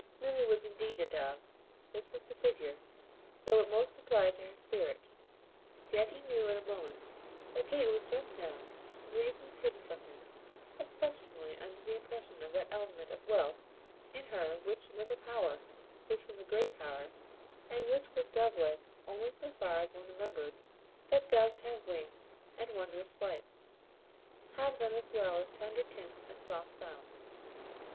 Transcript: Milly was indeed a dove; this was the figure, though it most applied to her spirit. Yet he knew in a moment that Kate was just now, for reasons hidden from him, exceptionally under the impression of that element of wealth in her which was a power, which was a great power, and which was dove like only so far as one remembered that doves have wings and wondrous flights, have them as well as tender tints and soft sounds.